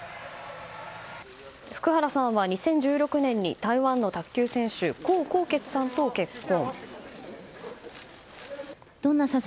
福原さんは２０１６年に台湾の卓球選手江宏傑さんと結婚。